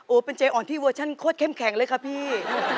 โอ้เป็นใจอ่อนที่เวอร์ชันโคตรแข็งเลยครับพี่